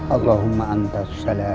allahumma antas salamu